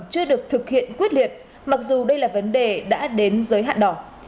chưa được thực hiện quyết liệt mặc dù đây là vấn đề đã đến giới hạn đỏ